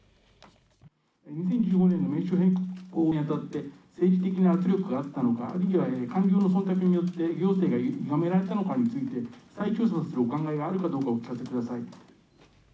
２０１５年の名称変更にあたって、政治的な圧力があったのか、あるいは官僚のそんたくによって、行政がゆがめられたのかについて、再調査をするお考えがあるかをお聞かせください。